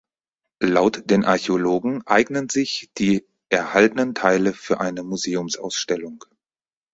Laut den Archäologen eignen sich die erhaltenen Teile für eine Museumsausstellung.